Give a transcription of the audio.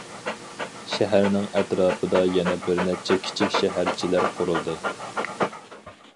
شەھەرنىڭ ئەتراپىدا يەنە بىرنەچچە كىچىك شەھەرچىلەر قۇرۇلدى.